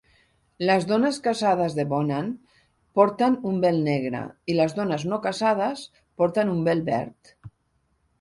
Les dones casades de Bonan porten un vel negre i les dones no casades porten un vel verd.